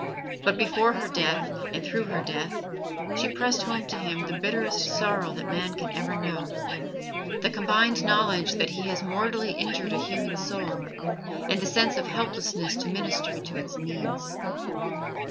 But before her death and through her death, she pressed home to him the bitterest sorrow that man can ever know: the combined knowledge that he has mortally injured a human soul and the sense of helplessness to minister to its needs.